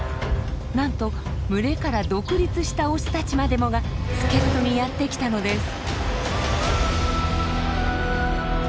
なんと群れから独立したオスたちまでもが助っ人にやって来たのです。